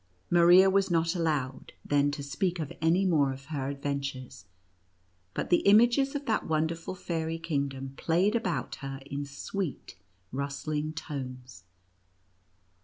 Maria was not allowed, then, to speak any more of her adventures, but the images of that wonderful fairy kingdom played about her in sweet, rustling tones.